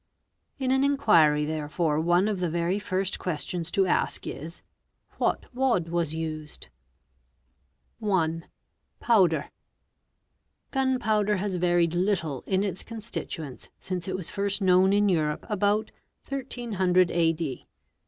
In an inquiry therefore one of the very first questions: to ask is—'' What wad was used ?"') 1. POWDER. Gun powder has varied little in its constituents since it was first known in Europe about 1300 A. D.